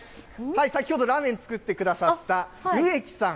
先ほどラーメン作ってくださった、植木さん。